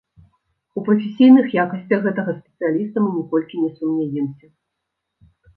У прафесійных якасцях гэтага спецыяліста мы ніколькі не сумняемся.